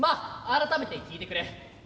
改めて聞いてくれ。